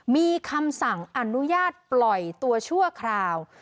มีคำสั่งอนุญาตปล่อยตัวชั่วคราว